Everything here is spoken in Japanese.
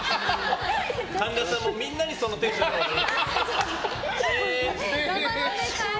神田さんもみんなにそのテンションでね。